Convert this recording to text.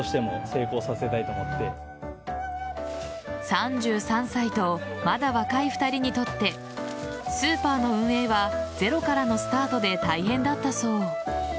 ３３歳とまだ若い２人にとってスーパーの運営はゼロからのスタートで大変だったそう。